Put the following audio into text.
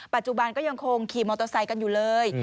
ปัจจุบันก็ยังคงขี่มอเตอร์ไซค์กันอยู่เลย